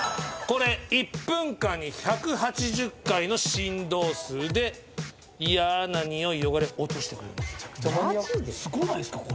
これ１分間に１８０回の振動数でいやなニオイ汚れ落としてくれるんです。